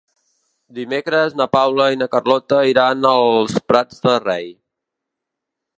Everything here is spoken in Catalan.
Dimecres na Paula i na Carlota iran als Prats de Rei.